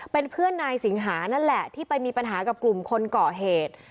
เป็นเพื่อนนายสิงหานั่นแหละที่ไปมีปัญหากับกลุ่มคนก่อเหตุ